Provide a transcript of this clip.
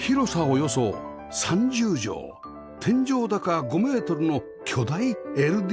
およそ３０畳天井高５メートルの巨大 ＬＤＫ